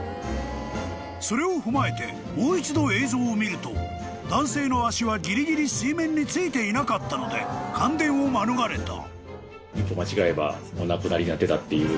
［それを踏まえてもう一度映像を見ると男性の足はギリギリ水面についていなかったので感電を免れた］